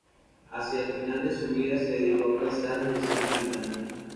Hacia el final de su vida se dedicó a paisajes y escenas británicos.